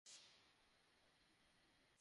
আমরা সেরকম বিভাজন আমাদের বাড়িতে হতে দিতে চাই না!